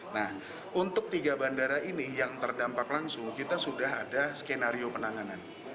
nah untuk tiga bandara ini yang terdampak langsung kita sudah ada skenario penanganan